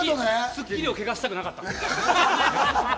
『スッキリ』を汚したくなかった。